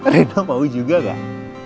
rena mau juga gak